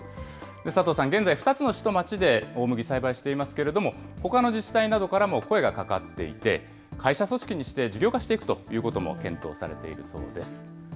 佐藤さん、現在、２つの市と町で大麦栽培していますけれども、ほかの自治体などからも声がかかっていて、会社組織にして、事業化していくということも検討されているそうです。